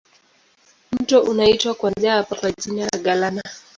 Mto unaitwa kuanzia hapa kwa jina la Galana.